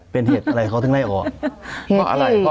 เป็นเหตุอะไรเค้าถึงไล่ออก